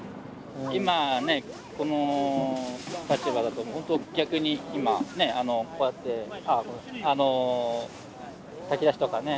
今ねこの立場だとほんと逆に今ねこうやってあの炊き出しとかね